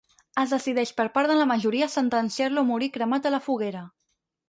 Es decideix per part de la majoria sentenciar-lo a morir cremat a la foguera.